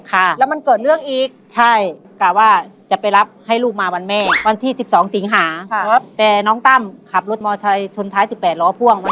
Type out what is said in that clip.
ถ้าทำได้ขนาดนี้นะพี่ลาออกจริงนะ